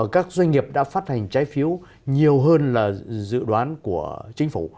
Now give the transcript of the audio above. các doanh nghiệp đã phát hành trái phiếu nhiều hơn là dự đoán của chính phủ